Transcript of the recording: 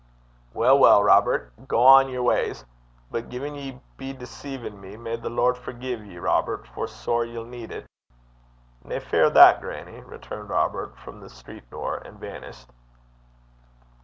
'Weel, weel, Robert, gang yer wa's. But gin ye be deceivin' me, may the Lord forgie ye, Robert, for sair ye'll need it.' 'Nae fear o' that, grannie,' returned Robert, from the street door, and vanished.